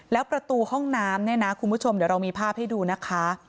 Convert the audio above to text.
แล้วประตูห้องน้ำเนี่ยนะคุณผู้ชมเดี๋ยวเรามีภาพให้ดูนะคะ